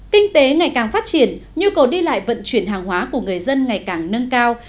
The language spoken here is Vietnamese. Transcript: kinh tế ngày càng phát triển nhu cầu đi lại vận chuyển hàng hóa của người dân ngày càng nâng cao